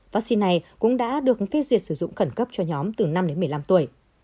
vaccine này cũng đã được phê duyệt sử dụng khẩn cấp cho nhóm từ năm đến một mươi năm tuổi